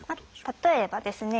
例えばですね